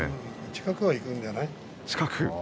近くはいくんじゃない？